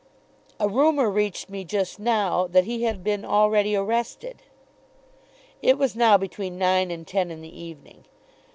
"A rumour reached me just now that he had been already arrested." It was now between nine and ten in the evening.